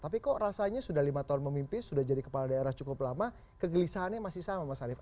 tapi kok rasanya sudah lima tahun memimpin sudah jadi kepala daerah cukup lama kegelisahannya masih sama mas arief